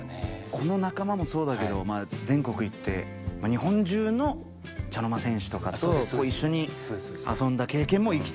この仲間もそうだけど全国行って日本中の茶の間戦士とかと一緒に遊んだ経験も生きてると。